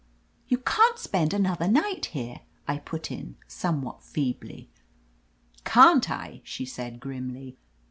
"You can't spend another night here," I put in, somewhat feebly. "Can't I?" she said^grimly.